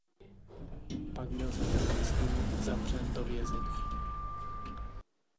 Pak byl za komunistů zavřen do vězení.